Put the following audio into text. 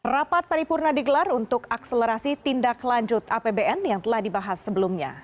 rapat paripurna digelar untuk akselerasi tindak lanjut apbn yang telah dibahas sebelumnya